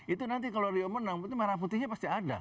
itu nanti kalau dia menang berarti merah putihnya pasti ada